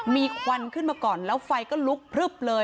มีควันขึ้นมาก่อนแล้วไฟก็ลุกพลึบเลย